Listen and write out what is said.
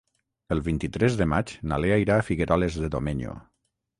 El vint-i-tres de maig na Lea irà a Figueroles de Domenyo.